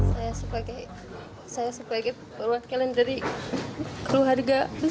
saya sebagai perwakilan dari keluarga